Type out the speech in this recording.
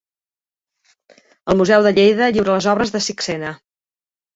El Museu de Lleida lliura les obres de Sixena